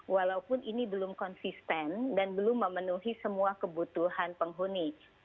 walaupun ini belum konsisten dan belum memenuhi semua kebutuhan penghuni